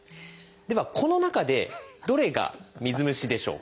ではこの中でどれが水虫でしょうか？